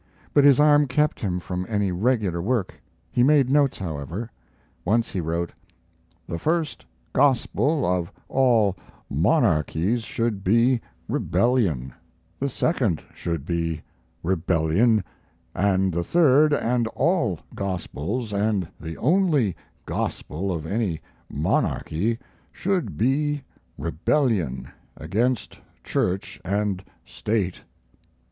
But his arm kept him from any regular work. He made notes, however. Once he wrote: The first gospel of all monarchies should be Rebellion; the second should be Rebellion; and the third and all gospels, and the only gospel of any monarchy, should be Rebellion against Church and State.